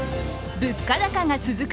物価高が続く